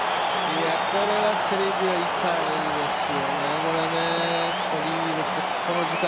これはセルビア、痛いですよ。